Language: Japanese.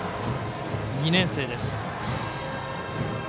２年生です。